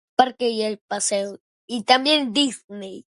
Parque y el paseo. Y también Disney.